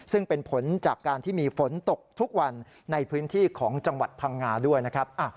ซึ่งเป็นผลจากการที่มีฝนตกทุกวันในพื้นที่ของจังหวัดพังงาด้วยนะครับ